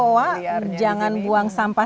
owa jangan buang sampah